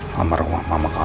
kamar rumah mama kamu